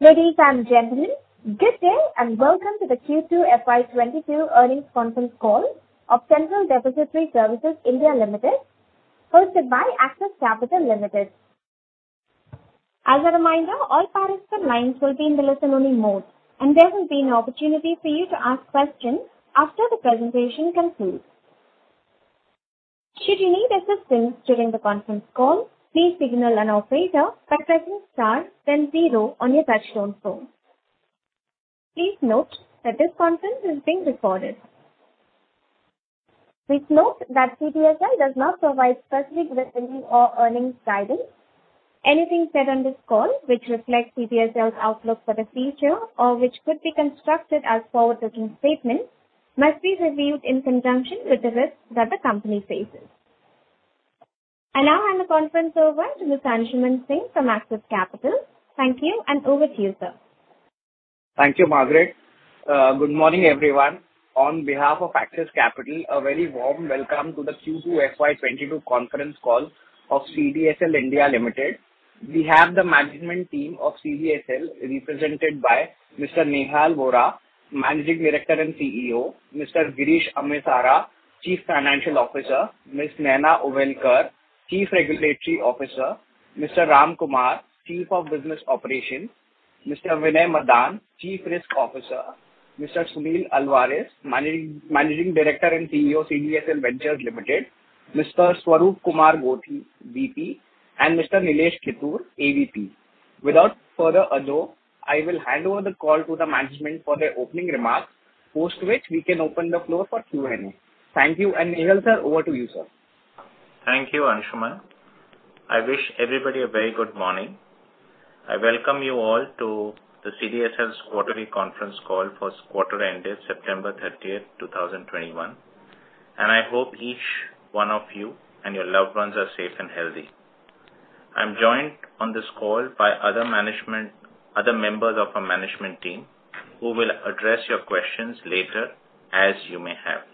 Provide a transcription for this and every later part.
Ladies and gentlemen, good day and welcome to the Q2 FY 2022 earnings conference call of Central Depository Services (India) Limited, hosted by Axis Capital Limited. As a reminder, all participants' lines will be in the listen-only mode, and there will be an opportunity for you to ask questions after the presentation concludes. Should you need assistance during the conference call, please signal an operator by pressing star then zero on your touchtone phone. Please note that this conference is being recorded. Please note that CDSL does not provide specific revenue or earnings guidance. Anything said on this call which reflects CDSL's outlook for the future or which could be constructed as forward-looking statements must be reviewed in conjunction with the risks that the company faces. I now hand the conference over to Mr. Anshuman Singh from Axis Capital. Thank you, and over to you, sir. Thank you, Margaret. Good morning, everyone. On behalf of Axis Capital, a very warm welcome to the Q2 FY 2022 conference call of CDSL India Limited. We have the management team of CDSL represented by Mr. Nehal Vora, Managing Director and CEO, Mr. Girish Amesara, Chief Financial Officer, Ms. Nayana Ovalekar, Chief Regulatory Officer, Mr. Ramkumar, Chief of Business Operations, Mr. Vinay Madan, Chief Risk Officer, Mr. Sunil Alvares, Managing Director and CEO, CDSL Ventures Limited, Mr. Swaroopkumar Gothi, VP, and Mr. Nilesh Kittur, AVP. Without further ado, I will hand over the call to the management for their opening remarks, post which we can open the floor for Q&A. Thank you, and Nehal, sir, over to you, sir. Thank you, Anshuman. I wish everybody a very good morning. I welcome you all to the CDSL's quarterly conference call for quarter ended September 30, 2021, and I hope each one of you and your loved ones are safe and healthy. I'm joined on this call by other members of our management team, who will address your questions later, as you may have.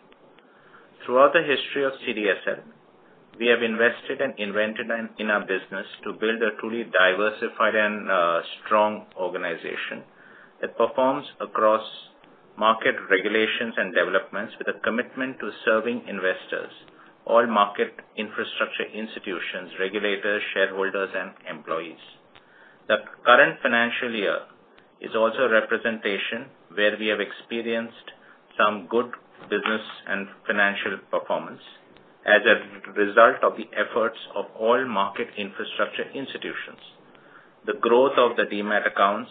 Throughout the history of CDSL, we have invested and innovated in our business to build a truly diversified and strong organization that performs across market regulations and developments with a commitment to serving investors, all market infrastructure institutions, regulators, shareholders, and employees. The current financial year is also a representation where we have experienced some good business and financial performance as a result of the efforts of all market infrastructure institutions. The growth of the demat accounts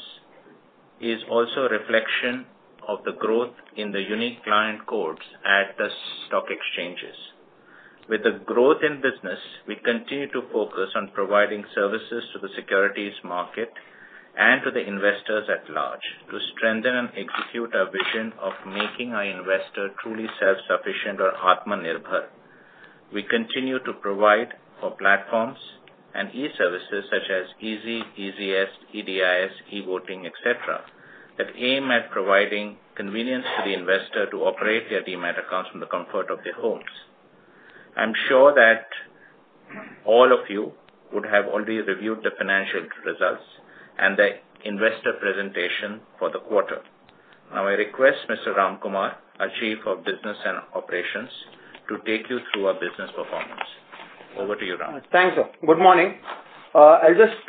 is also a reflection of the growth in the unique client codes at the stock exchanges. With the growth in business, we continue to focus on providing services to the securities market and to the investors at large to strengthen and execute our vision of making our investor truly self-sufficient or Atmanirbhar. We continue to provide our platforms and e-services such as easi, easiest, e-DIS, e-Voting, et cetera, that aim at providing convenience to the investor to operate their demat accounts from the comfort of their homes. I'm sure that all of you would have already reviewed the financial results and the investor presentation for the quarter. Now, I request Mr. Ramkumar, our Chief of Business and Operations, to take you through our business performance. Over to you, Ram. Thanks, sir. Good morning. I'll just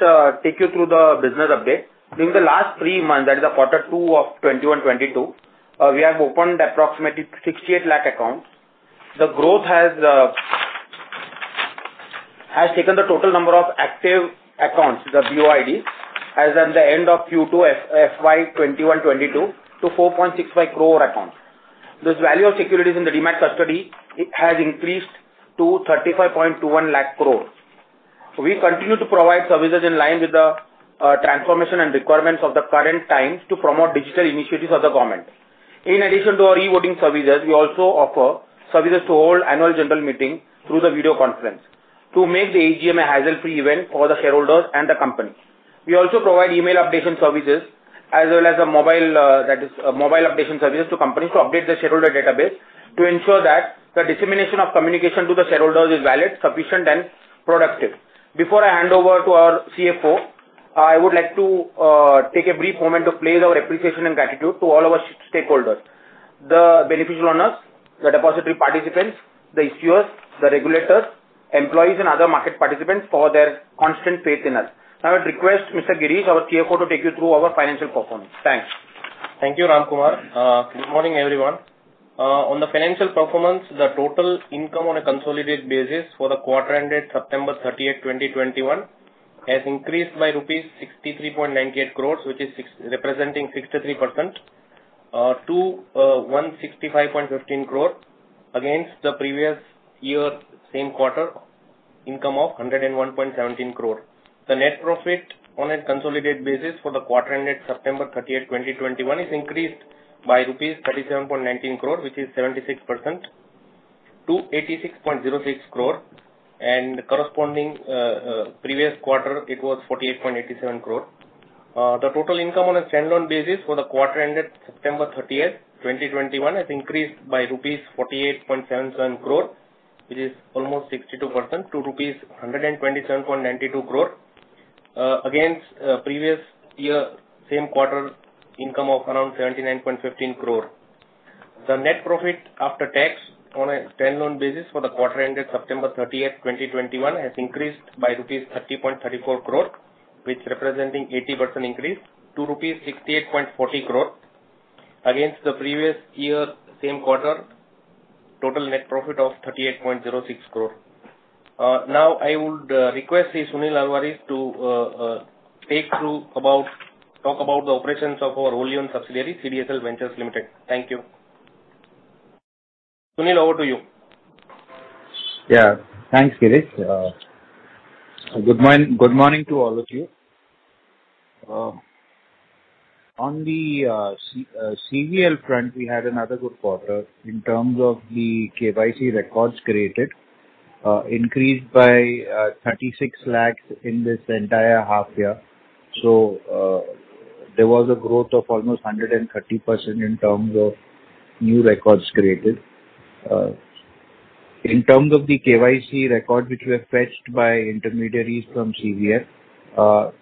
take you through the business update. During the last three months, that is quarter two of 2021-22, we have opened approximately 68 lakh accounts. The growth has taken the total number of active accounts, the BOIDs, as at the end of Q2 FY 2021-2022 to 4.65 crore accounts. This value of securities in the demat custody has increased to 35.21 lakh crore. We continue to provide services in line with the transformation and requirements of the current times to promote digital initiatives of the government. In addition to our e-Voting services, we also offer services to hold annual general meeting through the video conference to make the AGM a hassle-free event for the shareholders and the company. We also provide email updation services as well as mobile updation services to companies to update their shareholder database to ensure that the dissemination of communication to the shareholders is valid, sufficient, and productive. Before I hand over to our CFO, I would like to take a brief moment to place our appreciation and gratitude to all our stakeholders, the beneficial owners, the depository participants, the issuers, the regulators, employees, and other market participants for their constant faith in us. Now, I request Mr. Girish, our CFO, to take you through our financial performance. Thanks. Thank you, Ramkumar. Good morning, everyone. On the financial performance, the total income on a consolidated basis for the quarter ended September 30, 2021 has increased by rupees 63.98 crore, which is representing 63% to 165.15 crore against the previous year same quarter income of 101.17 crore. The net profit on a consolidated basis for the quarter ended September 30, 2021 is increased by rupees 37.19 crore, which is 76% to 86.06 crore, and corresponding previous quarter it was 48.87 crore. The total income on a stand-alone basis for the quarter ended September 30, 2021 has increased by rupees 48.77 crore. It is almost 62% to rupees 127.92 crore, against previous year same quarter income of around 79.15 crore. The net profit after tax on a stand-alone basis for the quarter ended September 30, 2021 has increased by rupees 30.34 crore, which representing 80% increase to rupees 68.40 crore against the previous year same quarter total net profit of 38.06 crore. Now I would request Sunil Alvares to talk about the operations of our wholly-owned subsidiary, CDSL Ventures Limited. Thank you. Sunil, over to you. Yeah. Thanks, Girish. Good morning to all of you. On the CDSL front, we had another good quarter in terms of the KYC records created, increased by 36 lakhs in this entire half year. There was a growth of almost 130% in terms of new records created. In terms of the KYC records which were fetched by intermediaries from CVL,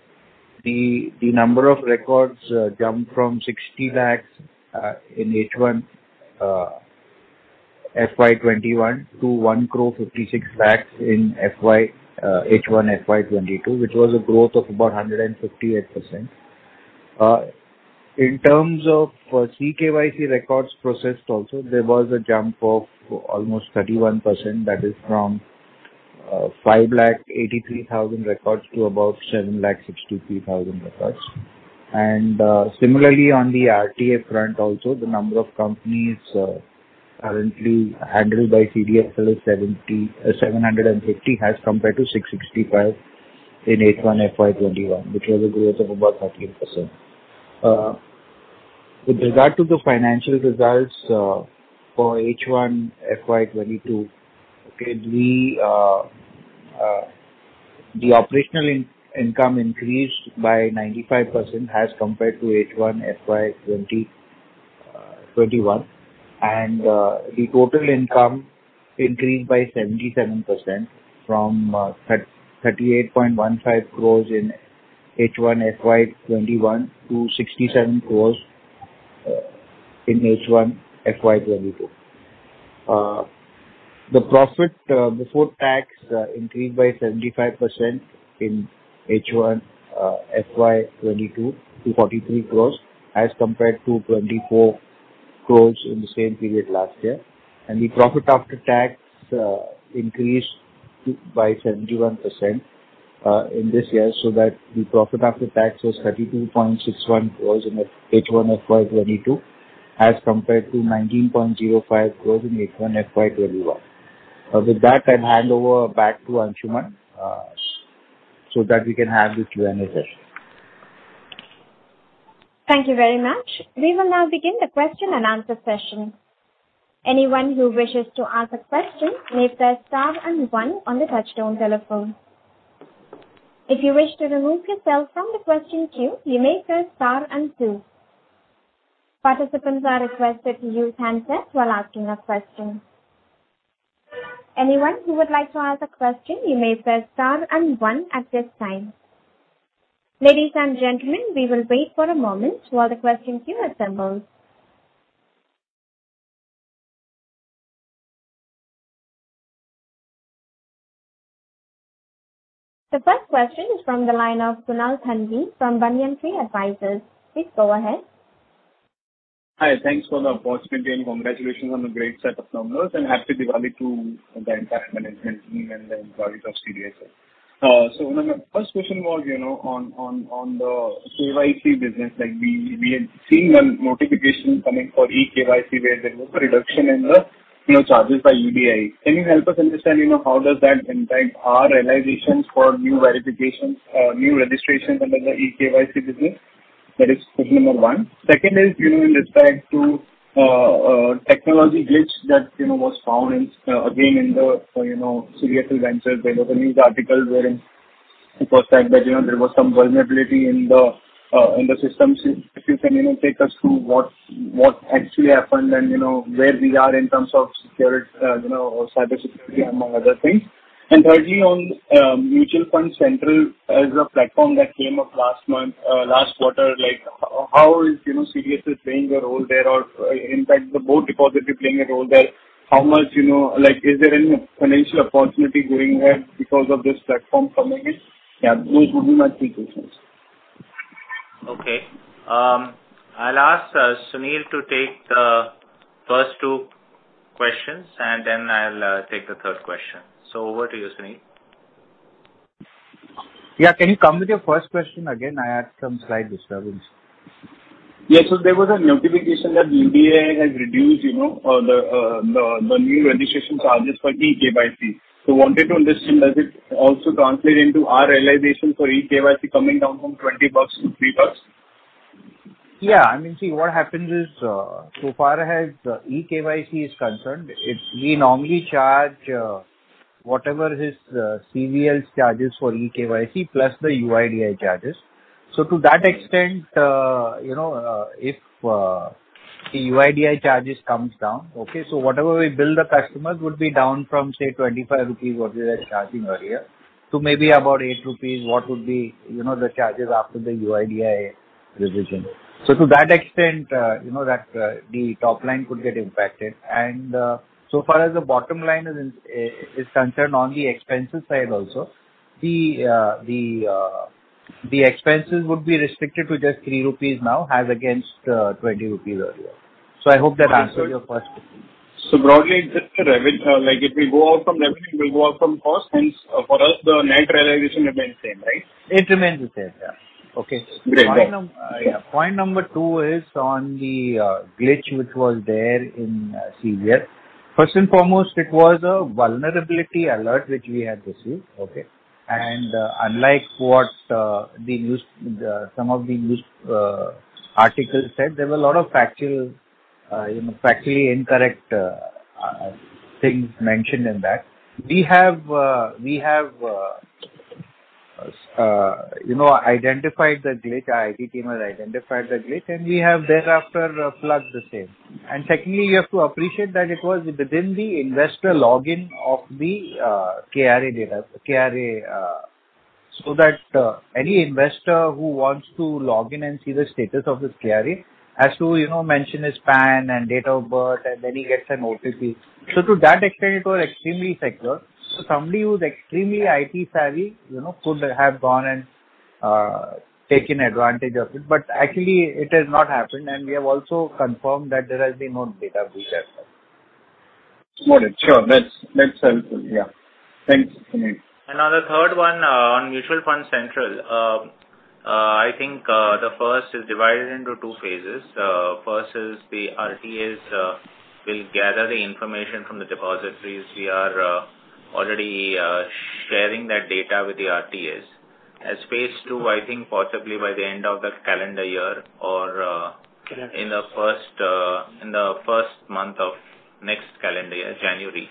the number of records jumped from 60 lakhs in H1 FY 2021 to 1 crore 56 lakhs in H1 FY 2022, which was a growth of about 158%. In terms of e-KYC records processed also, there was a jump of almost 31%, that is from 5 lakh 83 thousand records to about 7 lakh 63 thousand records. Similarly, on the RTA front also, the number of companies currently handled by CDSL is 750 as compared to 665 in H1 FY 2021, which was a growth of about 13%. With regard to the financial results for H1 FY 2022, the operational income increased by 95% as compared to H1 FY 2021. The total income increased by 77% from 38.15 crores in H1 FY 2021 to 67 crores in H1 FY 2022. The profit before tax increased by 75% in H1 FY 2022 to 43 crores as compared to 24 crores in the same period last year. The profit after tax increased by 71% in this year, so that the profit after tax was 32.61 crores in H1 FY 2022 as compared to 19.05 crores in H1 FY 2021. With that, I'll hand over back to Anshuman so that we can have the Q&A session. Thank you very much. We will now begin the question and answer session. Anyone who wishes to ask a question may press star and one on the touchtone telephone. If you wish to remove yourself from the question queue, you may press star and two. Participants are requested to use handsets while asking a question. Anyone who would like to ask a question, you may press star and one at this time. Ladies and gentlemen, we will wait for a moment while the question queue assembles. The first question is from the line of Kunal Thanvi from Banyan Tree Advisors. Please go ahead. Hi. Thanks for the opportunity and congratulations on the great set of numbers, and Happy Diwali to the entire management team and the employees of CDSL. So my first question was, you know, on the KYC business. Like, we had seen a notification coming for e-KYC where there was a reduction in the, you know, charges by UPI. Can you help us understand, you know, how does that impact our realizations for new verifications, new registrations under the e-KYC business? That is question number one. Second is, you know, in respect to technology glitch that, you know, was found in again in the, you know, CDSL Ventures. There was a news article wherein it was said that, you know, there was some vulnerability in the in the systems. If you can, you know, take us through what actually happened and, you know, where we are in terms of security, or cybersecurity among other things. Thirdly, on Mutual Fund Central as a platform that came up last month, last quarter, like, how is, you know, CDSL playing a role there? Or in fact, the depository is playing a role there. How much, you know, like, is there any financial opportunity going ahead because of this platform coming in? Yeah, those would be my three questions. Okay. I'll ask Sunil to take the first two questions, and then I'll take the third question. Over to you, Sunil. Yeah. Can you come with your first question again? I had some slight disturbance. Yeah. There was a notification that UPI has reduced, you know, the new registration charges for e-KYC. Wanted to understand, does it also translate into our realization for e-KYC coming down from INR 20 to INR 3? Yeah. I mean, see, what happens is, so far as e-KYC is concerned, we normally charge, Whatever is CVL's charges for e-KYC plus the UIDAI charges. To that extent, you know, if the UIDAI charges comes down, okay, so whatever we bill the customers would be down from, say, 25 rupees what we were charging earlier to maybe about 8 rupees what would be, you know, the charges after the UIDAI revision. To that extent, you know, that the top line could get impacted. So far as the bottom line is concerned, on the expenses side also, the expenses would be restricted to just 3 rupees now as against 20 rupees earlier. I hope that answers your first question. Broadly, just the revenue, like if we go out from revenue, we go out from cost, hence for us the net realization remains same, right? It remains the same. Yeah. Okay. Great. Point number two is on the glitch which was there in CVL. First and foremost, it was a vulnerability alert which we had received. Unlike what some of the news articles said, there were a lot of factual, you know, factually incorrect things mentioned in that. We have identified the glitch. Our IT team has identified the glitch, and we have thereafter plugged the same. Secondly, you have to appreciate that it was within the investor login of the KRA data, KRA, so that any investor who wants to log in and see the status of his KRA has to, you know, mention his PAN and date of birth, and then he gets an OTP. To that extent, it was extremely secure. Somebody who's extremely IT savvy, you know, could have gone and taken advantage of it. Actually it has not happened, and we have also confirmed that there has been no data breach as such. Got it. Sure. That's helpful. Yeah. Thanks, Sunil. Now the third one on Mutual Fund Central. I think the first is divided into two phases. First, the RTAs will gather the information from the depositories. We are already sharing that data with the RTAs. As phase II, I think possibly by the end of the calendar year or Calendar year. In the first month of next calendar year, January,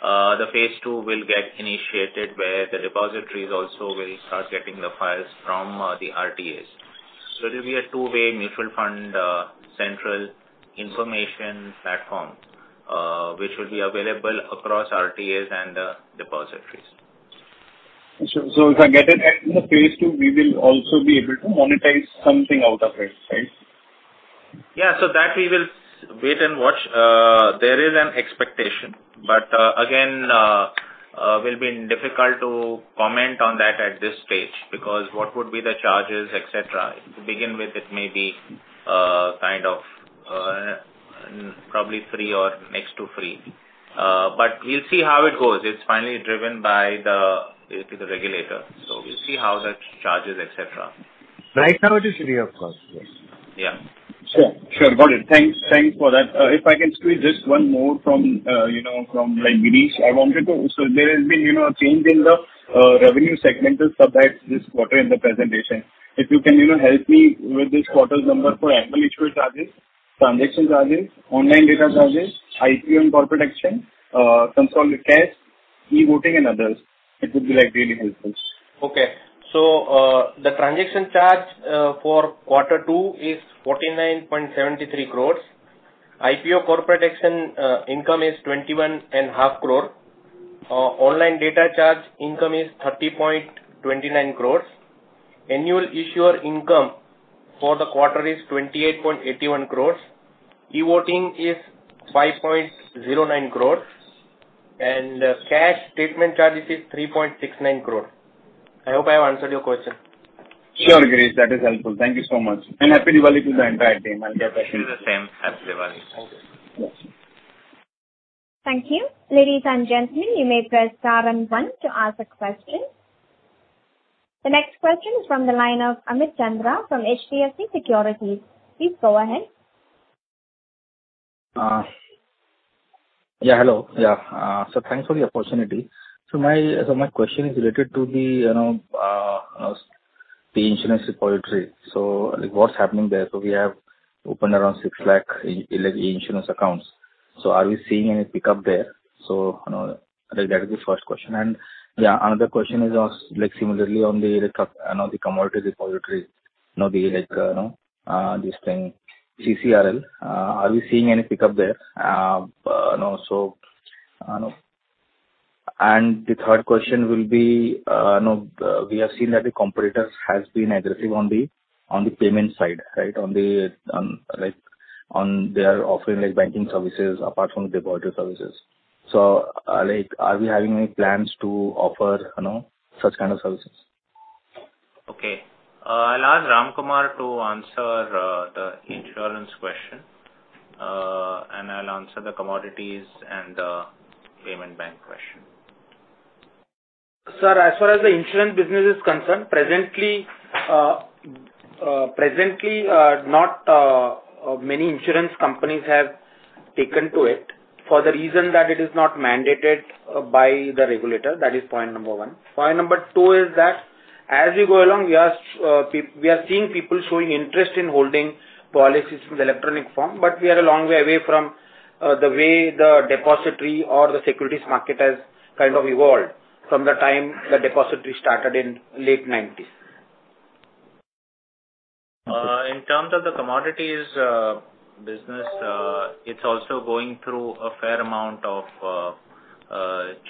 the phase II will get initiated, where the repositories also will start getting the files from the RTAs. It will be a two-way Mutual Fund Central information platform, which will be available across RTAs and depositories. If I get it, in the phase II, we will also be able to monetize something out of it, right? Yeah. That we will wait and watch. There is an expectation, but again, will be difficult to comment on that at this stage, because what would be the charges, et cetera. To begin with, it may be kind of probably free or next to free. But we'll see how it goes. It's finally driven by the basically the regulator. We'll see how that charges, et cetera. Right now it is free of cost. Yes. Yeah. Sure. Got it. Thanks for that. If I can squeeze just one more from, you know, from like Girish. There has been, you know, a change in the revenue segmental sub types this quarter in the presentation. If you can, you know, help me with this quarter's number for annual issuer charges, transaction charges, online data charges, IPO and corporate action, consolidated cash, e-Voting and others. It would be, like, really helpful. Okay. The transaction charge for quarter two is 49.73 crores. IPO corporate action income is 21 and half crore. Online data charge income is 30.29 crores. Annual issuer income for the quarter is 28.81 crores. e-Voting is 5.09 crores. CAS statement charges is 3.69 crore. I hope I have answered your question. Sure, Girish. That is helpful. Thank you so much. Happy Diwali to the entire team. I'll get back. Wish you the same. Happy Diwali. Okay. Yes. Thank you. Ladies and gentlemen, you may press star and one to ask a question. The next question is from the line of Amit Chandra from HDFC Securities. Please go ahead. Hello. Thanks for the opportunity. My question is related to the, you know, the insurance repository. Like, what's happening there? We have opened around 6 lakh e-Insurance accounts. Are we seeing any pickup there? You know, like, that is the first question. Yeah, another question is like, similarly on the commodity repository. You know, like, this thing, CCRL. Are we seeing any pickup there? You know, the third question will be, you know, we have seen that the competitors has been aggressive on the payment side, right? On their offering, like, banking services apart from depository services. Like, are we having any plans to offer, you know, such kind of services? Okay. I'll ask Ramkumar to answer the insurance question. I'll answer the commodities and the payment bank question. Sir, as far as the insurance business is concerned, presently, not many insurance companies have taken to it for the reason that it is not mandated by the regulator. That is point number one. Point number two is that As we go along, we are seeing people showing interest in holding policies in the electronic form, but we are a long way away from the way the depository or the securities market has kind of evolved from the time the depository started in the late 1990s. In terms of the commodities business, it's also going through a fair amount of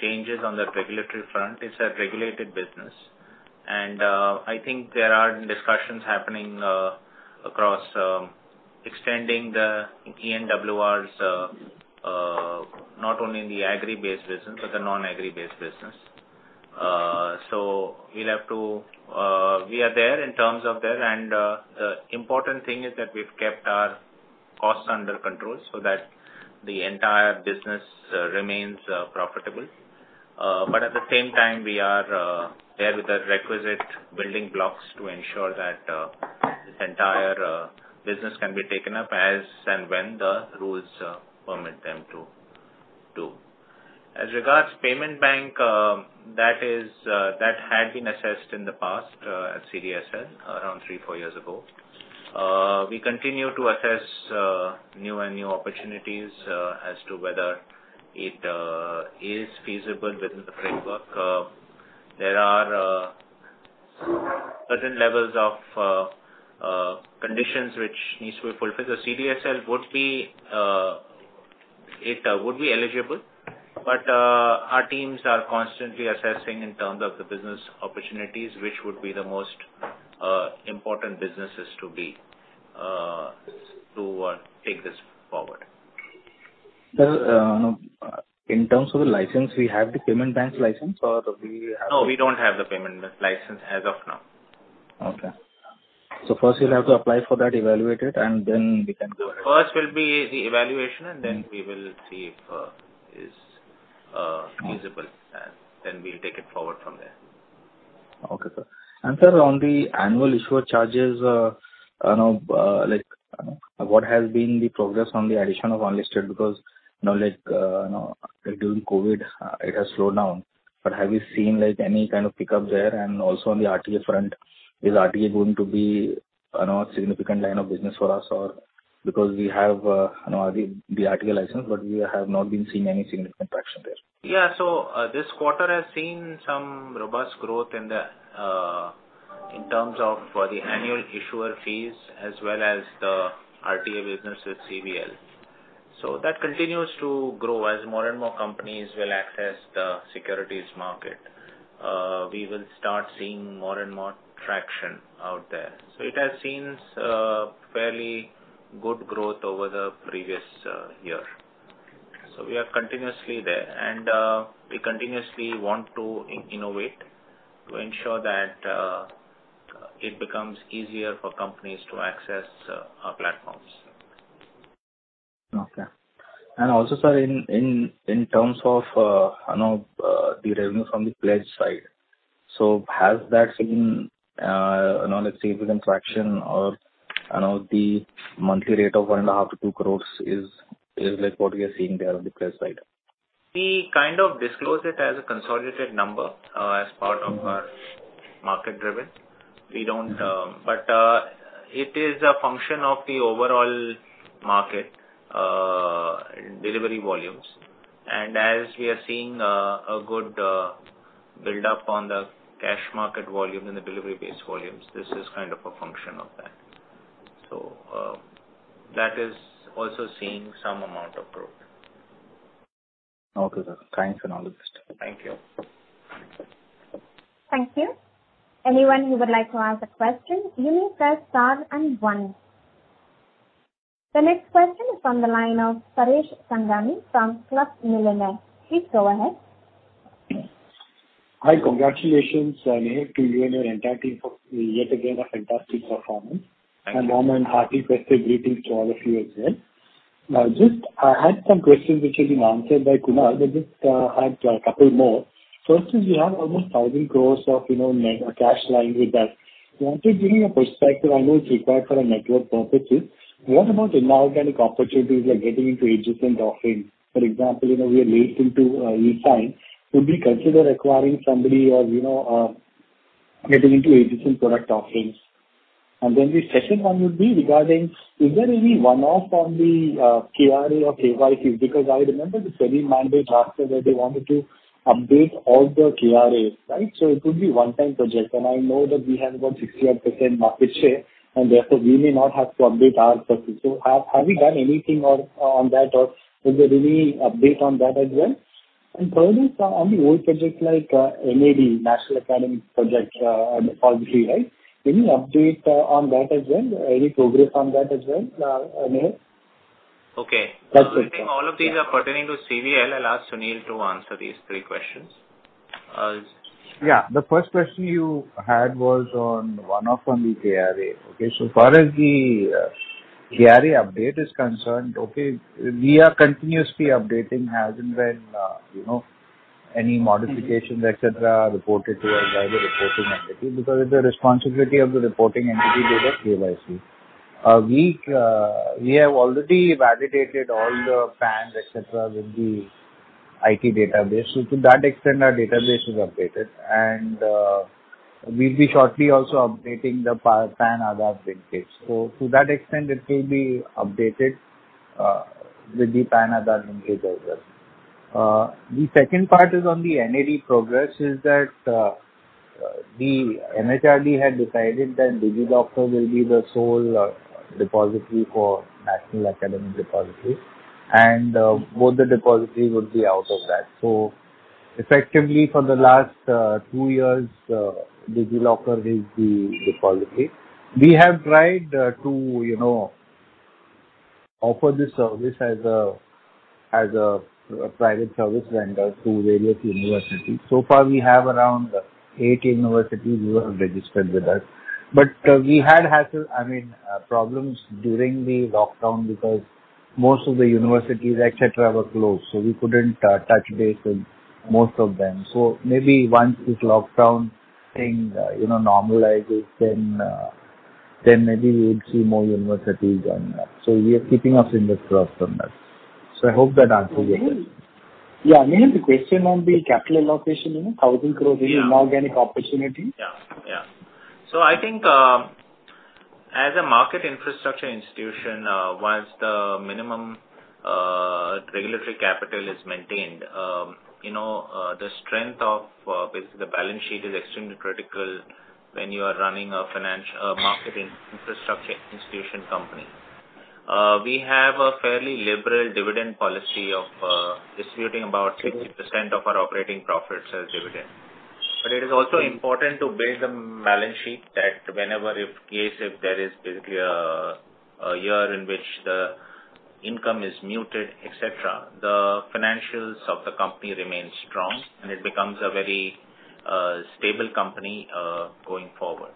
changes on the regulatory front. It's a regulated business, and I think there are discussions happening across extending the eNWRs not only in the agri-based business but the non-agri-based business. We'll have to, we are there in terms of that and the important thing is that we've kept our costs under control so that the entire business remains profitable. At the same time we are there with the requisite building blocks to ensure that this entire business can be taken up as and when the rules permit them to do. As regards payment bank, that had been assessed in the past at CDSL around three to four years ago. We continue to assess new opportunities as to whether it is feasible within the framework. There are certain levels of conditions which needs to be fulfilled. CDSL would be eligible, but our teams are constantly assessing in terms of the business opportunities, which would be the most important businesses to take this forward. Sir, in terms of the license, we have the payments bank license or we have No, we don't have the payment license as of now. Okay. First you'll have to apply for that, evaluate it, and then we can go ahead. First will be the evaluation, and then we will see if it's feasible, and then we'll take it forward from there. Okay, sir. Sir, on the annual issuer charges, what has been the progress on the addition of unlisted because now, during COVID it has slowed down. Have you seen like any kind of pickup there? Also on the RTA front, is RTA going to be, you know, a significant line of business for us or because we have, you know, the RTA license, but we have not been seeing any significant traction there. This quarter has seen some robust growth in terms of the annual issuer fees as well as the RTA business with CVL. That continues to grow. As more and more companies will access the securities market, we will start seeing more and more traction out there. It has seen fairly good growth over the previous year. We are continuously there and we continuously want to innovate to ensure that it becomes easier for companies to access our platforms. Okay. Also, sir, in terms of, you know, the revenue from the pledge side, so has that seen, you know, let's say, significant traction or, you know, the monthly rate of 1.5 crore-2 crore is like what we are seeing there on the pledge side? We kind of disclose it as a consolidated number as part of our market-driven. We don't. It is a function of the overall market delivery volumes. As we are seeing a good build-up on the cash market volume and the delivery-based volumes, this is kind of a function of that. That is also seeing some amount of growth. Okay, sir. Thanks for all the wisdom. Thank you. Thank you. Anyone who would like to ask a question, you may press star and one. The next question is on the line of Paresh Sangani from Club Millionaire. Please go ahead. Hi. Congratulations, Nehal, to you and your entire team for yet again a fantastic performance. On my end, Happy Festival Greetings to all of you as well. Now I just had some questions which have been answered by Kunal, but just had a couple more. First is we have almost 1,000 crores of, you know, net cash lying with us. Wanted to give me a perspective. I know it's required for our network purposes. What about inorganic opportunities like getting into adjacent offerings? For example, you know, we are linked into e-Sign. Would we consider acquiring somebody or, you know, getting into adjacent product offerings? Then the second one would be regarding, is there any one-off on the KRA or KYCs? Because I remember the SEBI mandate asked that they wanted to update all the KRAs, right? It would be one-time project and I know that we have about 60-odd% market share and therefore we may not have to update our process. Have we done anything or on that or is there any update on that as well? Probably some on the old projects like NAD, National Academic Depository, obviously, right. Any update on that as well? Any progress on that as well, Nehal? Okay. That's it. I think all of these are pertaining to CVL. I'll ask Sunil to answer these three questions. The first question you had was on one off on the KRA. Okay. So far as the KRA update is concerned, okay, we are continuously updating as and when, you know, any modifications, et cetera, are reported to us by the reporting entity, because it's the responsibility of the reporting entity to do the KYC. We have already validated all the PANs, et cetera, with the IT database. So to that extent, our database is updated. We'll be shortly also updating the PAN-Aadhaar linkage. So to that extent, it will be updated with the PAN-Aadhaar linkage as well. The second part is on the NAD progress is that, the MHRD had decided that DigiLocker will be the sole depository for National Academic Depository. Both the repository would be out of that. Effectively, for the last two years, DigiLocker is the repository. We have tried to, you know, offer this service as a private service vendor to various universities. So far we have around eight universities who have registered with us. We had hassles, I mean, problems during the lockdown because most of the universities, et cetera, were closed, so we couldn't touch base with most of them. Maybe once this lockdown thing, you know, normalizes, then maybe we'll see more universities on that. We are keeping our fingers crossed on that. I hope that answers your question. Yeah. Nehal, the question on the capital allocation, you know, 1,000 crore. Yeah. In inorganic opportunity. Yeah. Yeah. I think, as a market infrastructure institution, once the minimum regulatory capital is maintained, you know, the strength of basically the balance sheet is extremely critical when you are running a financial market infrastructure institution company. We have a fairly liberal dividend policy of distributing about 60% of our operating profits as dividend. It is also important to build the balance sheet that whenever in case there is basically a year in which the income is muted, et cetera, the financials of the company remain strong and it becomes a very stable company going forward.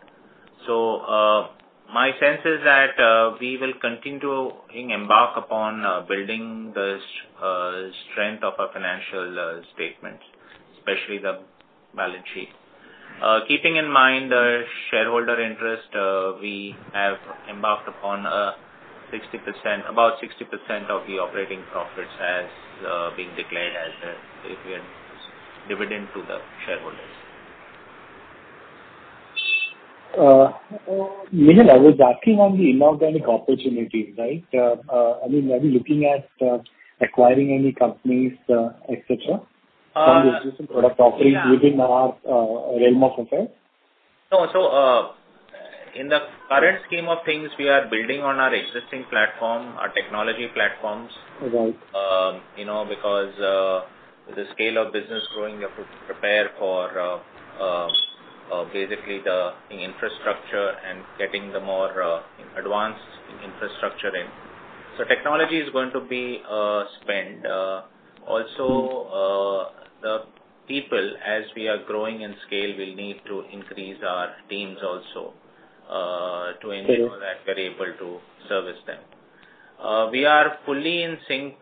My sense is that we will continue embark upon building the strength of our financial statements, especially the balance sheet. Keeping in mind the shareholder interest, we have embarked upon about 60% of the operating profits as being declared as a dividend to the shareholders. Nehal, I was asking on the inorganic opportunities, right? I mean, are you looking at acquiring any companies, et cetera? Uh- Some business and product offerings. Yeah. Within our realm of effect? In the current scheme of things, we are building on our existing platform, our technology platforms. Right. You know, because with the scale of business growing, you have to prepare for basically the infrastructure and getting the more advanced infrastructure in. Technology is going to be spent. Also, the people, as we are growing in scale, we'll need to increase our teams also. Sure. To ensure that we're able to service them. We are fully in sync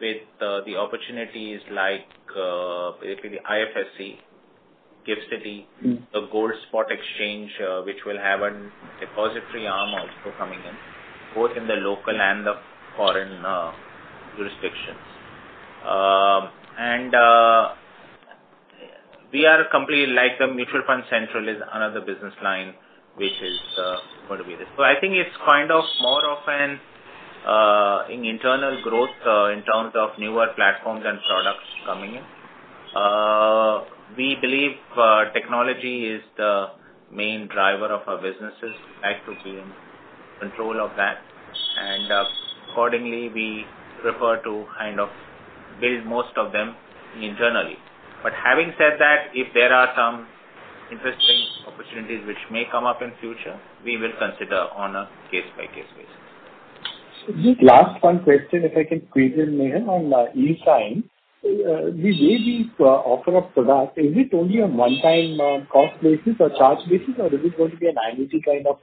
with the opportunities like basically the IFSC, GIFT City- Mm-hmm. The gold spot exchange, which will have a depository arm also coming in, both in the local and the foreign jurisdictions. We are a company like the Mutual Fund Central is another business line which is going to be this. I think it's kind of more of an internal growth in terms of newer platforms and products coming in. We believe technology is the main driver of our businesses, equity and control of that. Accordingly, we prefer to kind of build most of them internally. Having said that, if there are some interesting opportunities which may come up in future, we will consider on a case-by-case basis. Just last one question, if I can squeeze in, Nehal, on e-Sign. The way we offer a product, is it only a one-time cost basis or charge basis, or is it going to be an annual fee kind of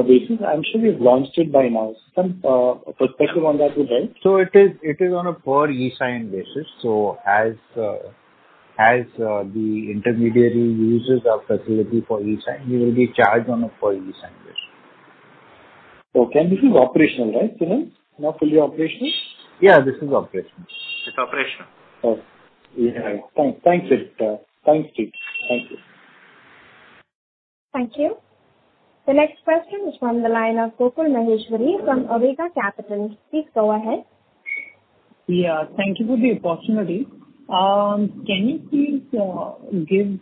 basis? I'm sure you've launched it by now. Some perspective on that would help. It is on a per e-Sign basis. As the intermediary uses our facility for e-Sign, he will be charged on a per e-Sign basis. Okay. This is operational, right, Nehal? Now fully operational? Yeah, this is operational. It's operational. Okay. Yeah. Thanks You. Thank you. The next question is from the line of Gokul Maheshwari from Awriga Capital. Please go ahead. Yeah, thank you for the opportunity. Can you please give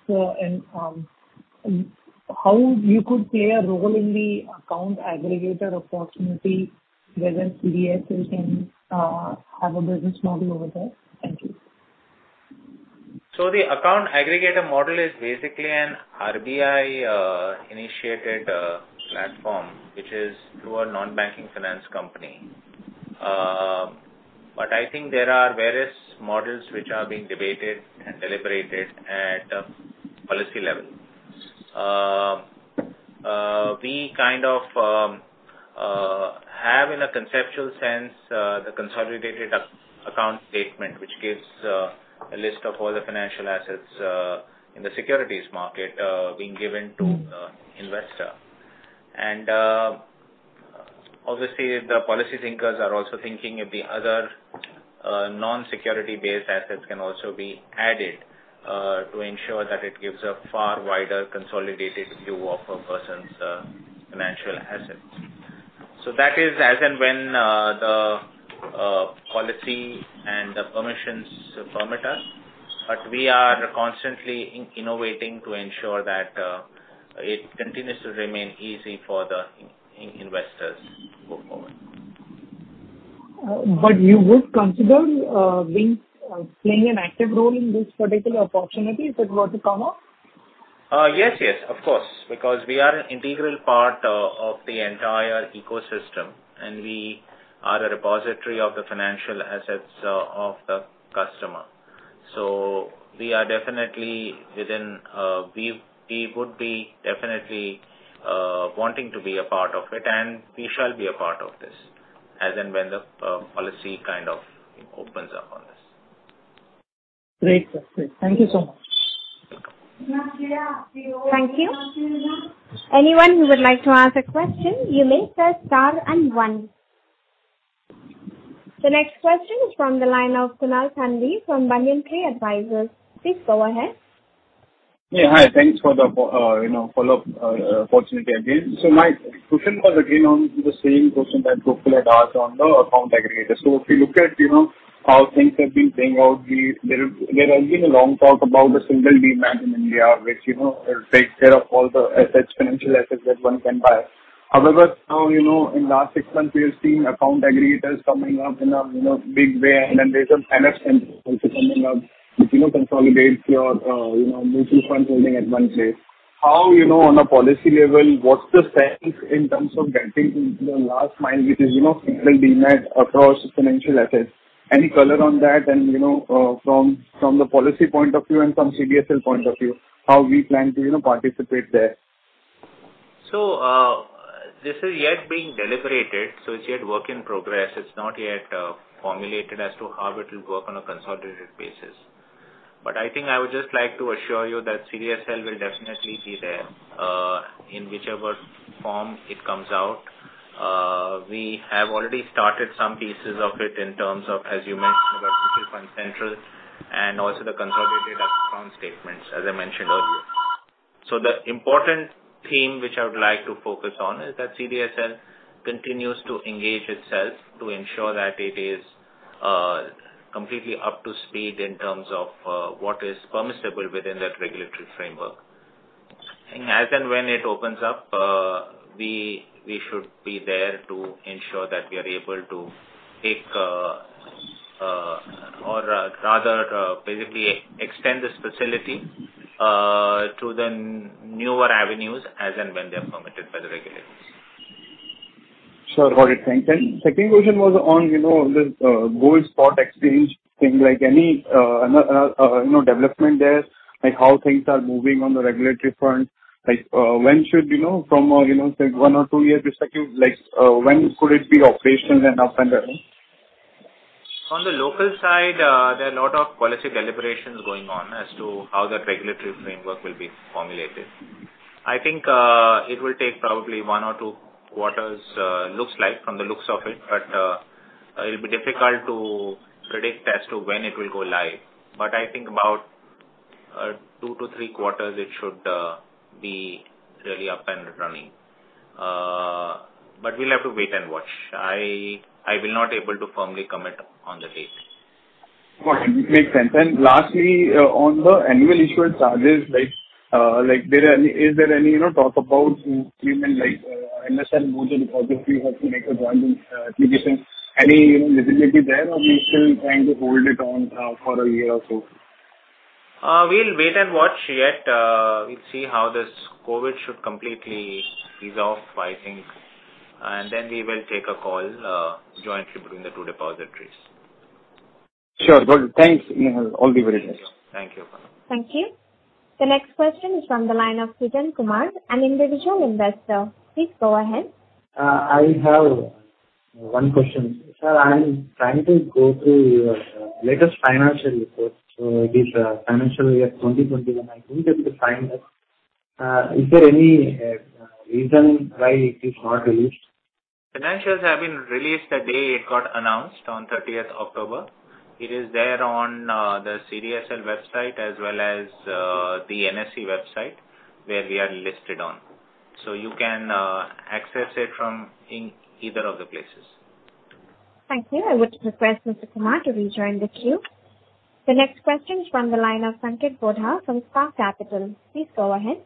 how you could play a role in the account aggregator opportunity, whether CDSL can have a business model over there? Thank you. The account aggregator model is basically an RBI initiated platform which is through a non-banking finance company. I think there are various models which are being debated and deliberated at a policy level. We kind of have in a conceptual sense the consolidated account statement, which gives a list of all the financial assets in the securities market being given to investor. The policy thinkers are also thinking if the other non-security based assets can also be added to ensure that it gives a far wider consolidated view of a person's financial assets. That is as and when the policy and the permissions permit us. We are constantly innovating to ensure that it continues to remain easy for the investors to go forward. You would consider playing an active role in this particular opportunity if it were to come up? Yes, of course, because we are an integral part of the entire ecosystem, and we are a repository of the financial assets of the customer. We are definitely within, we would be definitely wanting to be a part of it and we shall be a part of this as and when the policy kind of opens up on this. Great. Thank you so much. Thank you. Anyone who would like to ask a question, you may press star and one. The next question is from the line of Kunal Thanvi from Banyan Tree Advisors. Please go ahead. Yeah, hi. Thanks for the, you know, follow-up opportunity again. My question was again on the same question that Gokul had asked on the account aggregator. If you look at, you know, how things have been playing out, there has been a long talk about the single demat in India, which, you know, will take care of all the assets, financial assets that one can buy. However, now, you know, in last six months we have seen account aggregators coming up in a big way, and then there's Mutual Fund Central also coming up which, you know, consolidates your, you know, mutual fund holding at one place. How, you know, on a policy level, what's the sense in terms of getting to the last mile, which is, you know, single demat across financial assets? Any color on that and, you know, from the policy point of view and from CDSL point of view, how we plan to, you know, participate there. This is yet being deliberated, so it's yet work in progress. It's not yet formulated as to how it will work on a consolidated basis. I think I would just like to assure you that CDSL will definitely be there in whichever form it comes out. We have already started some pieces of it in terms of, as you mentioned about Mutual Fund Central and also the consolidated account statements, as I mentioned earlier. The important theme which I would like to focus on is that CDSL continues to engage itself to ensure that it is completely up to speed in terms of what is permissible within that regulatory framework. As and when it opens up, we should be there to ensure that we are able to take, or rather, basically extend this facility to the newer avenues as and when they're permitted by the regulators. Sure. Got it. Thanks. Second question was on, you know, this gold spot exchange thing, like any, you know, development there, like how things are moving on the regulatory front, like, when should we know from, you know, say one or two years, like you, like, when could it be operational and up and running? On the local side, there are a lot of policy deliberations going on as to how that regulatory framework will be formulated. I think it will take probably one or two quarters, looks like from the looks of it, but it'll be difficult to predict as to when it will go live. I think about two to three quarters it should be really up and running. We'll have to wait and watch. I will not be able to firmly commit on the date. Got it. Makes sense. Lastly, on the annual issuer charges, like, is there any, you know, talk about movement like, NSDL both of the depositories have to make a joint application. Any, you know, visibility there or we still trying to hold it on, for a year or so? We'll wait and watch yet. We'll see how this COVID should completely resolve, I think, and then we will take a call, jointly between the two depositories. Sure. Good. Thanks, Nehal. All the very best. Thank you. Thank you. The next question is from the line of Srijan Kumar, an individual investor. Please go ahead. I have one question. Sir, I'm trying to go through your latest financial report. It is financial year 2020 and I couldn't able to find it. Is there any reason why it is not released? Financials have been released the day it got announced on thirtieth October. It is there on the CDSL website as well as the NSE website where we are listed. You can access it from either of the places. Thank you. I would request Mr. Kumar to rejoin the queue. The next question is from the line of Sanketh Godha from Spark Capital. Please go ahead.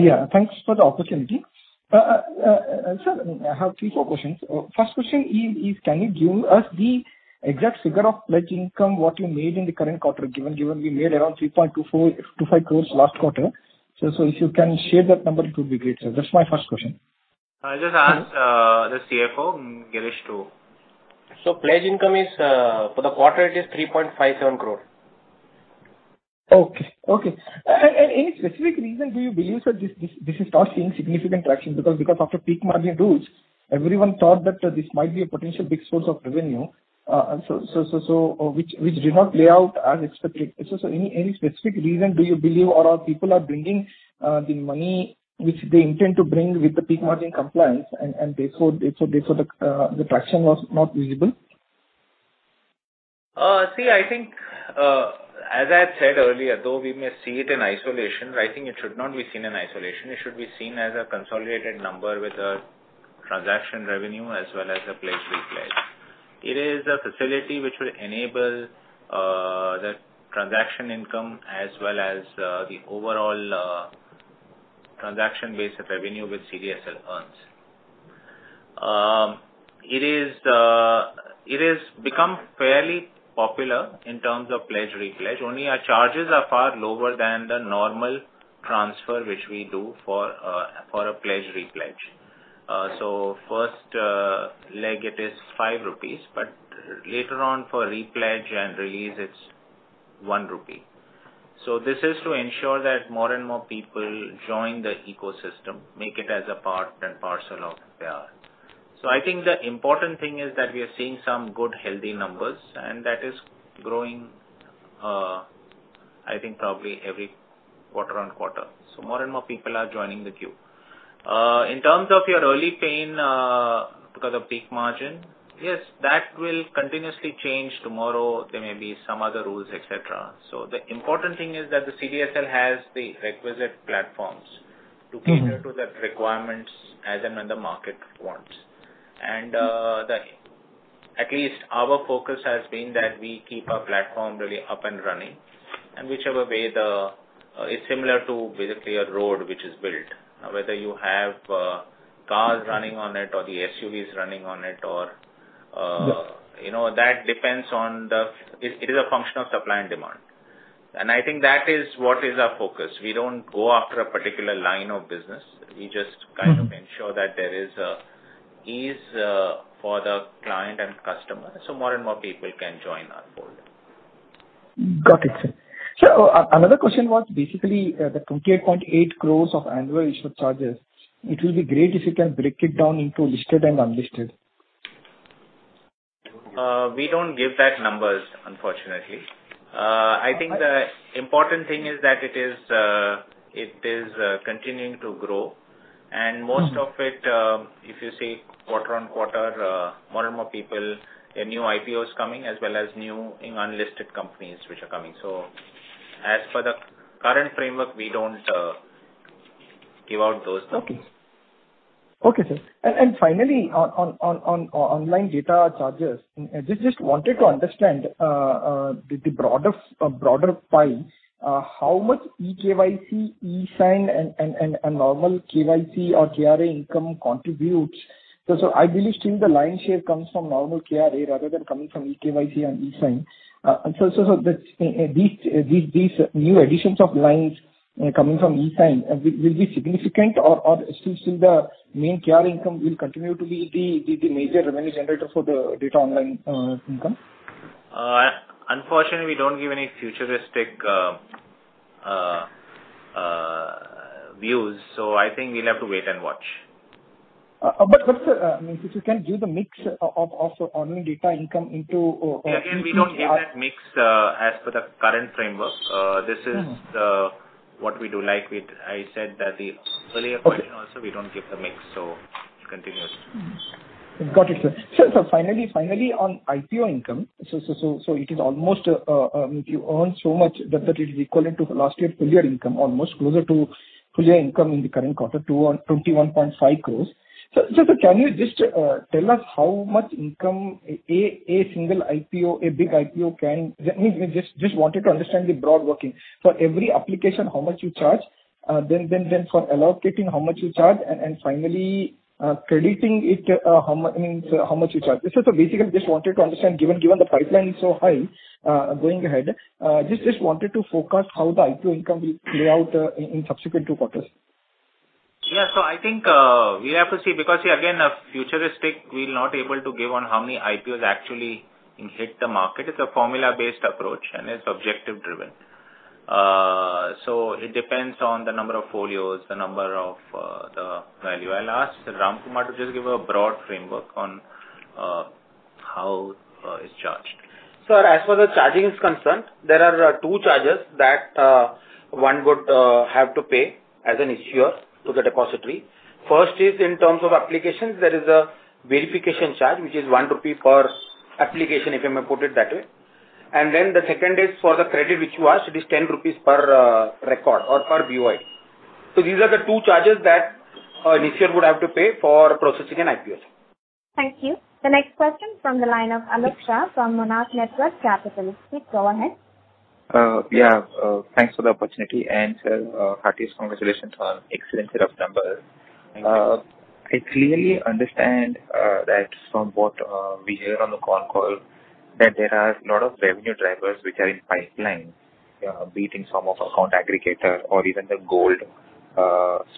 Yeah, thanks for the opportunity. Sir, I have three, four questions. First question is can you give us the exact figure of pledge income what you made in the current quarter, given we made around 3.24 crores-5 crores last quarter. If you can share that number, it would be great, sir. That's my first question. I'll just ask the CFO, Girish, to Pledge income is for the quarter 3.57 crore. Any specific reason do you believe, sir, this is not seeing significant traction because after peak margin rules, everyone thought that this might be a potential big source of revenue, which did not play out as expected. Any specific reason do you believe or people are bringing the money which they intend to bring with the peak margin compliance and therefore the traction was not visible? See, I think, as I said earlier, though we may see it in isolation, I think it should not be seen in isolation. It should be seen as a consolidated number with a transaction revenue as well as a pledge-repledge. It is a facility which will enable the transaction income as well as the overall transaction base of revenue which CDSL earns. It has become fairly popular in terms of pledge-repledge. Only our charges are far lower than the normal transfer which we do for a pledge-repledge. First leg it is 5 rupees, but later on for repledge and release, it's 1 rupee. This is to ensure that more and more people join the ecosystem, make it as a part and parcel of their. I think the important thing is that we are seeing some good, healthy numbers, and that is growing, I think probably every quarter-over-quarter. More and more people are joining the queue. In terms of your earlier point, because of peak margin, yes, that will continuously change. Tomorrow there may be some other rules, etc. The important thing is that the CDSL has the requisite platforms to cater to the requirements as and when the market wants. At least our focus has been that we keep our platform really up and running, and whichever way. It's similar to basically a road which is built. Now whether you have, cars running on it or the SUVs running on it or, you know, that depends on it is a function of supply and demand. I think that is what is our focus. We don't go after a particular line of business. We just. Mm-hmm. Kind of ensure that there is a ease for the client and customer, so more and more people can join our fold. Got it, sir. Sir, another question was basically, the 28.8 crores of annual issuer charges. It will be great if you can break it down into listed and unlisted. We don't give those numbers, unfortunately. I think the important thing is that it is continuing to grow. Mm-hmm. Most of it, if you see quarter-on-quarter, more and more people, a new IPO is coming, as well as new, you know, unlisted companies which are coming. As for the current framework, we don't give out those numbers. Okay, sir. Finally on online data charges, just wanted to understand the broader pie, how much e-KYC, e-Sign and normal KYC or KRA income contributes. That's these new additions of lines coming from e-Sign will be significant or still the main KRA income will continue to be the major revenue generator for the online data income? Unfortunately, we don't give any futuristic views, so I think we'll have to wait and watch. if you can give the mix of online data income into e-KYC or Again, we don't give that mix, as per the current framework. This is- Mm-hmm. what we do. Like what I said that the earlier point also Okay. We don't give the mix, so continuous. Got it, sir. Sir, finally on IPO income. It is almost you earn so much that it is equivalent to last year's full year income, almost closer to full year income in the current quarter, 21.5 crores. Can you just tell us how much income a single IPO, a big IPO can. I mean, just wanted to understand the broad working. For every application, how much you charge, then for allocating, how much you charge, and finally, crediting it, means how much you charge. This is basically just wanted to understand given the pipeline is so high, going ahead, just wanted to forecast how the IPO income will play out in subsequent two quarters. Yeah. I think we have to see because, again, in the future we're not able to give on how many IPOs actually hit the market. It's a formula-based approach, and it's objective driven. It depends on the number of folios, the number of, the value. I'll ask Ramkumar to just give a broad framework on how it's charged. Sir, as far as charging is concerned, there are two charges that one would have to pay as an issuer to the depository. First is in terms of applications, there is a verification charge which is 1 rupee per application, if I may put it that way. The second is for the credit which you asked, it is 10 rupees per record or per BOID. These are the two charges that our issuer would have to pay for processing an IPO, sir. Thank you. The next question from the line of Aalok Shah from Monarch Networth Capital. Please go ahead. Thanks for the opportunity. Sir, heartiest congratulations on excellent set of numbers. I clearly understand that from what we hear on the call that there are a lot of revenue drivers which are in pipeline, be it in form of account aggregator or even the gold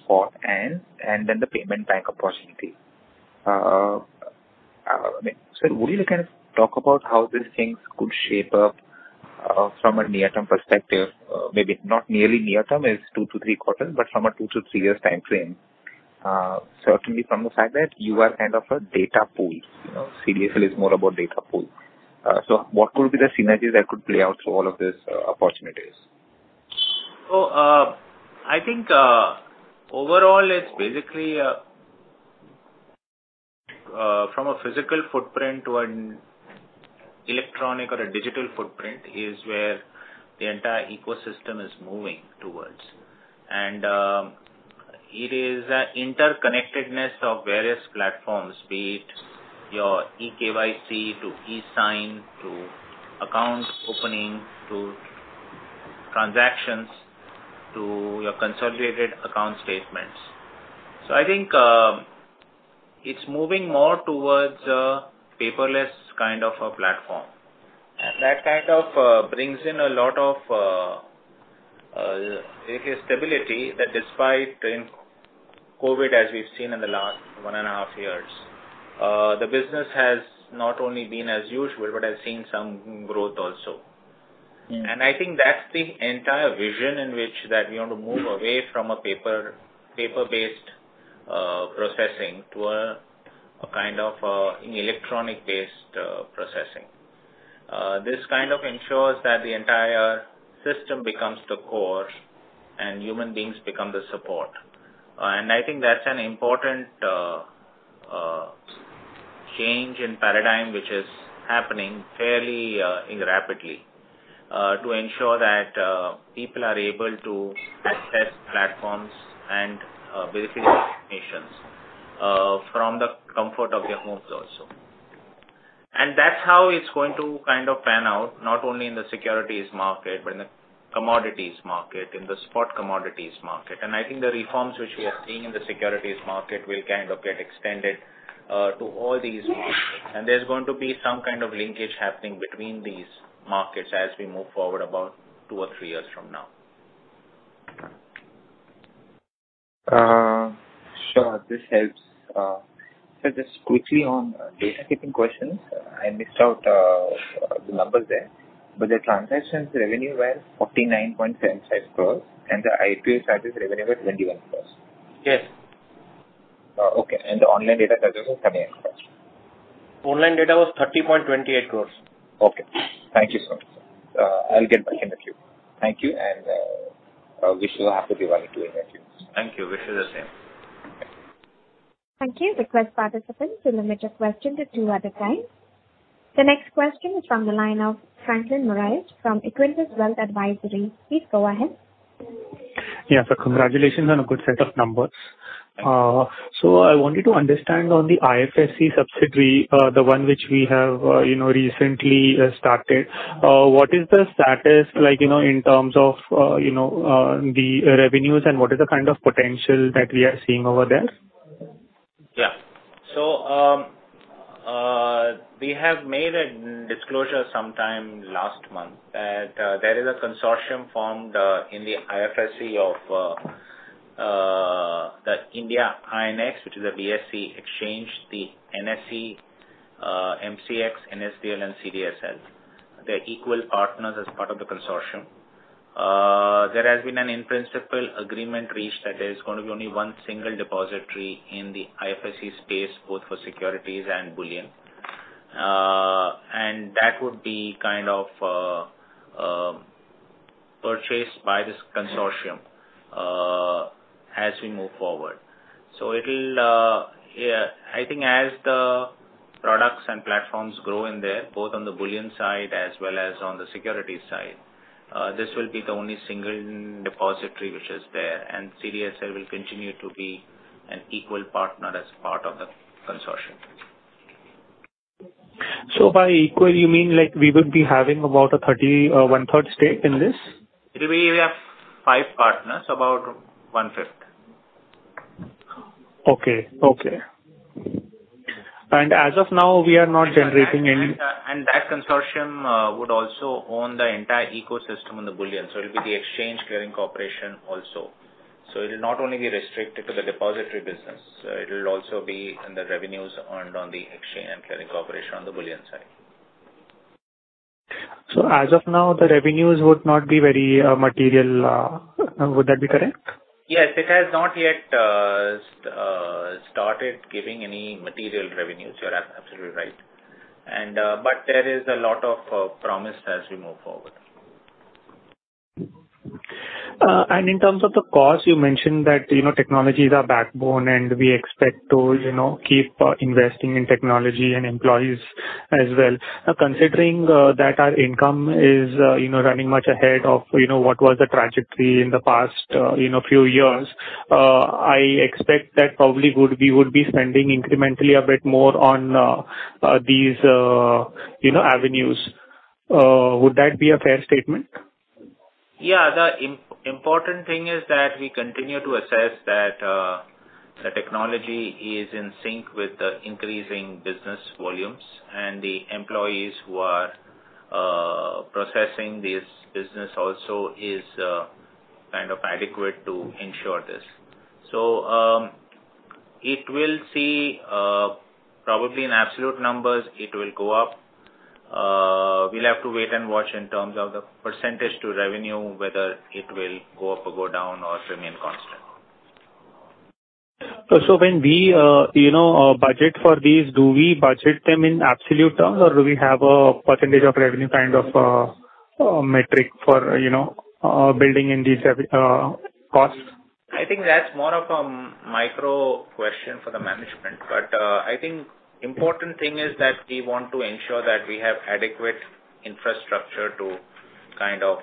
spot and then the payment bank opportunity. I mean, sir, would you kind of talk about how these things could shape up from a near-term perspective? Maybe not merely near-term as two to three quarters, but from a two to three years timeframe. Certainly from the fact that you are kind of a data pool. You know, CDSL is more about data pool. What could be the synergies that could play out through all of these opportunities? I think overall it's basically from a physical footprint to an electronic or a digital footprint where the entire ecosystem is moving towards. It is an interconnectedness of various platforms, be it your e-KYC to e-Sign, to account opening, to transactions, to your consolidated account statements. I think it's moving more towards a paperless kind of a platform. That kind of brings in a lot of stability that even during COVID, as we've seen in the last 1.5 years, the business has not only been as usual, but has seen some growth also. Mm. I think that's the entire vision in which that we want to move away from a paper-based processing to a kind of electronic-based processing. This kind of ensures that the entire system becomes the core and human beings become the support. I think that's an important change in paradigm, which is happening fairly rapidly to ensure that people are able to access platforms and verify information from the comfort of their homes also. That's how it's going to kind of pan out, not only in the securities market, but in the commodities market, in the spot commodities market. I think the reforms which we have seen in the securities market will kind of get extended to all these markets. There's going to be some kind of linkage happening between these markets as we move forward about two or three years from now. Sure. This helps. Just quickly on data keeping questions, I missed out the numbers there. The transactions revenue were 49.75 crores, and the IPO service revenue was 21 crores. Yes. Okay. The online data charges was 28 crore. Online data was 30.28 crores. Okay. Thank you so much, sir. I'll get back in the queue. Thank you, and wish you a happy one, two in the future. Thank you. Wish you the same. Thank you. Thank you. Request participants to limit your question to two at a time. The next question is from the line of Franklin Moraes from Equentis Wealth Advisory. Please go ahead. Yeah. Congratulations on a good set of numbers. I wanted to understand on the IFSC subsidiary, the one which we have, you know, recently started. What is the status like, you know, in terms of, you know, the revenues and what is the kind of potential that we are seeing over there? Yeah. We have made a disclosure sometime last month that there is a consortium formed in the IFSC of the India INX, which is a BSE exchange, the NSE, MCX, NSDL, and CDSL. They're equal partners as part of the consortium. There has been an in principle agreement reached that there's gonna be only one single depository in the IFSC space, both for securities and bullion. That would be kind of purchased by this consortium as we move forward. It'll, yeah, I think as the products and platforms grow in there, both on the bullion side as well as on the securities side, this will be the only single depository which is there, and CDSL will continue to be an equal partner as part of the consortium. By equal, you mean like we would be having about a 30, one-third stake in this? It'll be, we have five partners, about one-fifth. Okay. As of now, we are not generating any- That consortium would also own the entire ecosystem on the bullion. It'll be the exchange, clearing corporation also. It'll not only be restricted to the depository business, it'll also be in the revenues earned on the exchange and clearing corporation on the bullion side. As of now, the revenues would not be very material, would that be correct? Yes. It has not yet started giving any material revenues. You're absolutely right. There is a lot of promise as we move forward. In terms of the cost, you mentioned that, you know, technology is our backbone and we expect to, you know, keep investing in technology and employees as well. Now, considering that our income is, you know, running much ahead of, you know, what was the trajectory in the past, you know, few years, I expect that probably would be, we would be spending incrementally a bit more on these, you know, avenues. Would that be a fair statement? Yeah. The important thing is that we continue to assess that the technology is in sync with the increasing business volumes, and the employees who are processing this business also is kind of adequate to ensure this. We'll see probably in absolute numbers, it will go up. We'll have to wait and watch in terms of the percentage to revenue, whether it will go up or go down or remain constant. When we, you know, budget for these, do we budget them in absolute terms or do we have a percentage of revenue kind of? Oh, metric for, you know, building in these costs. I think that's more of a micro question for the management, but I think the important thing is that we want to ensure that we have adequate infrastructure to kind of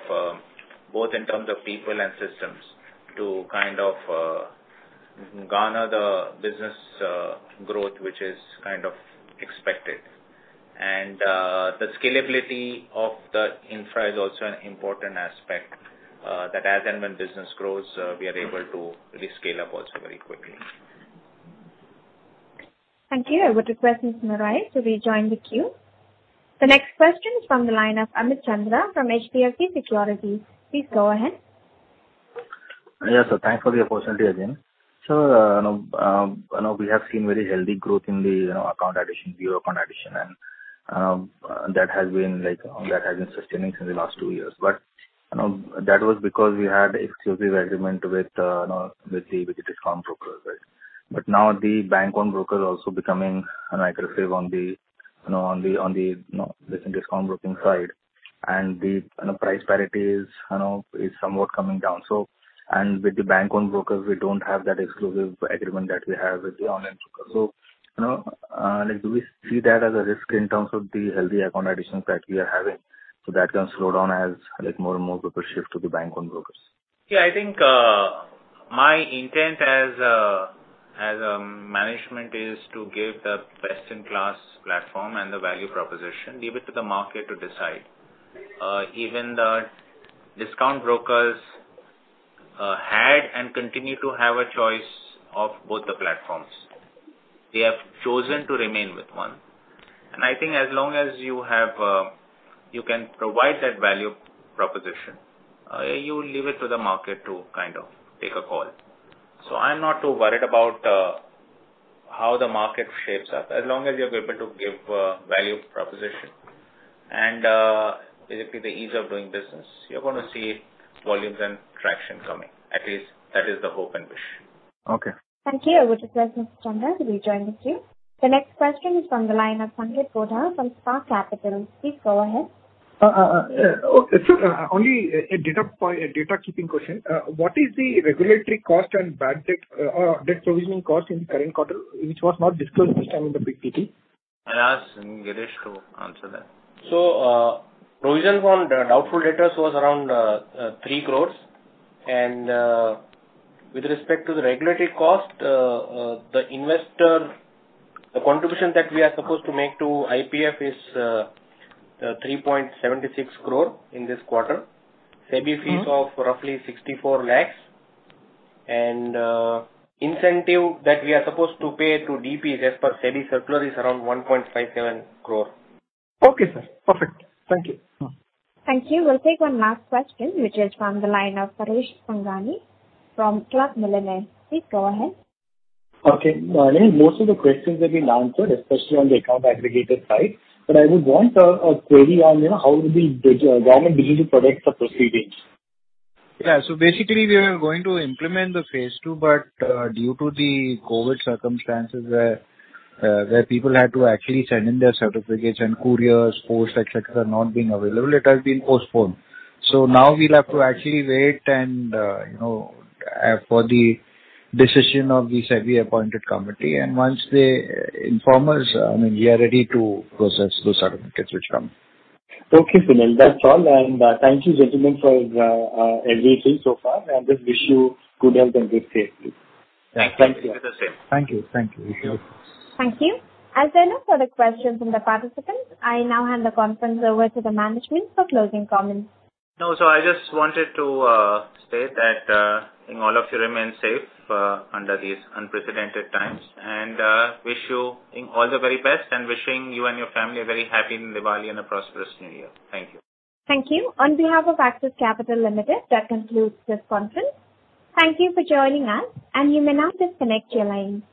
both in terms of people and systems to kind of garner the business growth, which is kind of expected. The scalability of the infra is also an important aspect that as and when business grows, we are able to scale up also very quickly. Thank you. I would request Mr. Moraes to rejoin the queue. The next question is from the line of Amit Chandra from HDFC Securities. Please go ahead. Yes, thanks for the opportunity again. You know, we have seen very healthy growth in the new account addition, and that has been sustaining since the last two years. You know, that was because we had exclusive agreement with the discount brokers, right? Now the bank-owned broker also becoming aggressive on the discount broking side. The price parity is somewhat coming down. With the bank-owned brokers, we don't have that exclusive agreement that we have with the online broker. You know, like, do we see that as a risk in terms of the healthy account additions that we are having, so that can slow down as like more and more brokers shift to the bank-owned brokers? Yeah, I think my intent as management is to give the best-in-class platform and the value proposition, leave it to the market to decide. Even the discount brokers had and continue to have a choice of both the platforms. They have chosen to remain with one. I think as long as you have you can provide that value proposition, you leave it to the market to kind of take a call. I'm not too worried about how the market shapes up. As long as you're able to give value proposition and basically the ease of doing business, you're gonna see volumes and traction coming. At least that is the hope and wish. Okay. Thank you. I would request Mr. Chandra to rejoin the queue. The next question is from the line of Sanketh Godha from Spark Capital. Please go ahead. Okay. Only a data point – a data keeping question. What is the regulatory cost and bad debt provisioning cost in the current quarter, which was not disclosed this time in the big TT? I'll ask Girish to answer that. Provision on the doubtful debtors was around 3 crore. With respect to the regulatory cost, the investor, the contribution that we are supposed to make to IPF is 3.76 crore in this quarter. Mm-hmm. SEBI fees of roughly 64 lakh. Incentive that we are supposed to pay to DPs as per SEBI circular is around 1.57 crore. Okay, sir. Perfect. Thank you. Thank you. We'll take one last question, which is from the line of Paresh Sangani from Club Millionaire. Please go ahead. Okay. I think most of the questions have been answered, especially on the account aggregator side. I would want a query on, you know, how the government digital products are proceeding. Yeah. Basically we are going to implement the phase two, but due to the COVID circumstances where people had to actually send in their certificates and couriers, posts, et cetera, not being available, it has been postponed. Now we'll have to actually wait and you know for the decision of the SEBI appointed committee. Once they inform us, I mean, we are ready to process those certificates which come. Okay, Nehal. That's all. Thank you gentlemen for everything so far, and I just wish you good health and good safety. Yeah. Thank you. Thank you. Thank you. Thank you. As there are no further questions from the participants, I now hand the conference over to the management for closing comments. No. I just wanted to say that all of you remain safe under these unprecedented times, and wish you all the very best, and wishing you and your family a very happy Diwali and a prosperous new year. Thank you. Thank you. On behalf of Axis Capital Limited, that concludes this conference. Thank you for joining us, and you may now disconnect your line.